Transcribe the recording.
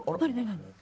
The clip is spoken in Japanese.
何？